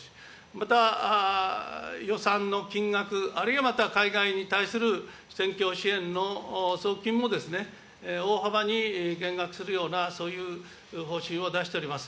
また予算の金額、あるいはまた海外に対するせんきょう支援の送金も、大幅に減額するような、そういう方針を出しております。